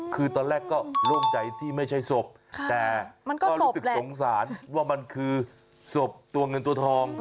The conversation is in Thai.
คือตอนแรกก็โล่งใจที่ไม่ใช่ศพแต่มันก็รู้สึกสงสารว่ามันคือศพตัวเงินตัวทอง